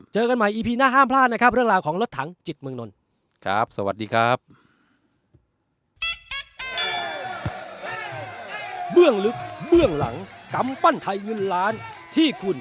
เจอกันใหม่อีพีหน้าห้ามพลาดนะครับเรื่องราวของรถถังจิตเมืองนนท์